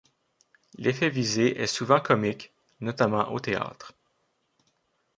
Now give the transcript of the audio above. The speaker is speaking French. L'effet visé est souvent comique, notamment au théâtre.